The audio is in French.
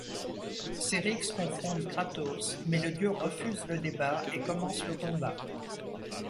Ceryx confronte Kratos, mais le dieu refuse le débat et commence le combat.